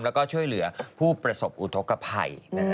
แล้วก็ช่วยเหลือผู้ประสบอุทธกภัย